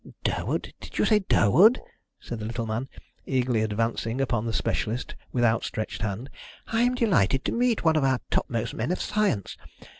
"Durwood? Did you say Durwood?" said the little man, eagerly advancing upon the specialist with outstretched hand. "I'm delighted to meet one of our topmost men of science.